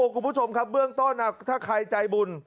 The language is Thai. คุณผู้ชมครับเบื้องต้นถ้าใครใจบุญ